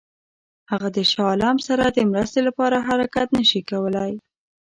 هغه د شاه عالم سره د مرستې لپاره حرکت نه شي کولای.